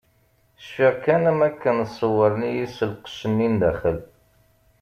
Cfiɣ kan am wakken ṣewren-iyi s lqecc-nni n daxel.